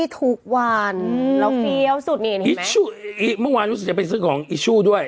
ทุกวันอืมแล้วเซียวสุดนี่เห็นไหมอีชูอีเมื่อวานรู้สึกจะไปซื้อของอีชูด้วย